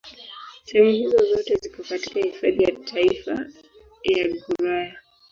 Sehemu hizo zote ziko katika Hifadhi ya Kitaifa ya Gouraya.